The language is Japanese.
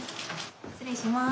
失礼します。